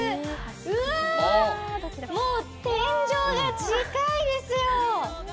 うわー、もう天井が近いですよ。